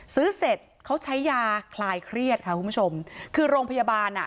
เสร็จเขาใช้ยาคลายเครียดค่ะคุณผู้ชมคือโรงพยาบาลอ่ะ